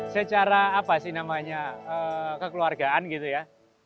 secara apa sih namanya kekeluargaan gitu ya